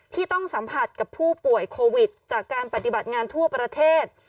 ที่ต้องสัมผัสกับผู้ป่วยโควิดจากการปฏิบัติงานทั่วประเทศ